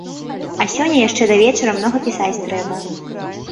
А сёння яшчэ да вечара многа пісаць трэба.